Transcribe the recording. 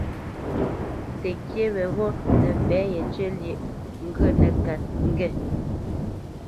Təŋkyé weghó nə́ fɛ̌ yencyə̂ lyêʼ ŋgwə nə́kát ŋge.